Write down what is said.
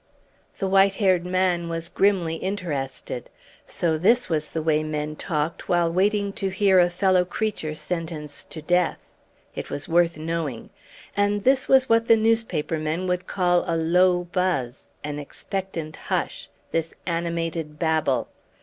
The white haired man was grimly interested. So this was the way men talked while waiting to hear a fellow creature sentenced to death! It was worth knowing. And this was what the newspaper men would call a low buzz an expectant hush this animated babble!